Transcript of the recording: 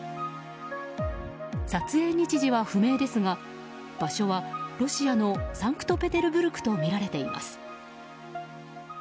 撮影日時は不明ですが場所はロシアのサンクトペテルブルクとみられています。